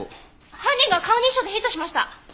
犯人が顔認証でヒットしました！